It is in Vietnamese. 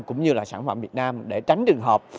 cũng như là sản phẩm việt nam để tránh trường hợp